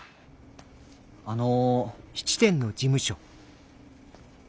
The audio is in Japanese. あの。